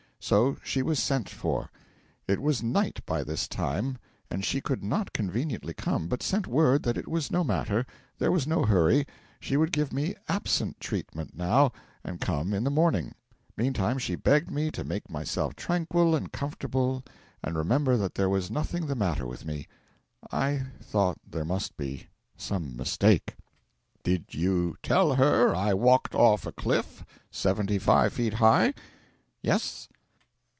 So she was sent for. It was night by this time, and she could not conveniently come, but sent word that it was no matter, there was no hurry, she would give me 'absent treatment' now, and come in the morning; meantime she begged me to make myself tranquil and comfortable and remember that there was nothing the matter with me. I thought there must be some mistake. 'Did you tell her I walked off a cliff seventy five feet high?' 'Yes.'